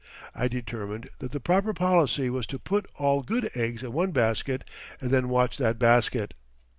I determined that the proper policy was "to put all good eggs in one basket and then watch that basket."